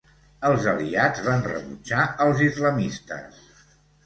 Els aliats van rebutjar als islamistes.